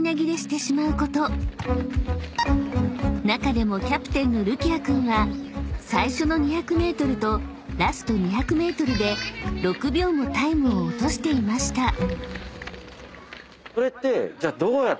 ［中でもキャプテンのるきあ君は最初の２００ｍとラスト２００ｍで６秒もタイムを落としていました］